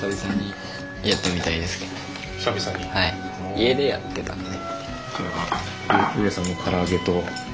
家でやってたので。